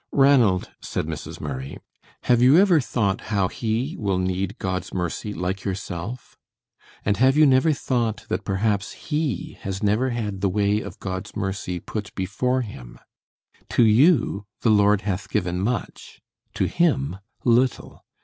"Ranald," said Mrs. Murray, "have you ever thought how he will need God's mercy like yourself? And have you never thought that perhaps he has never had the way of God's mercy put before him? To you the Lord has given much, to him little.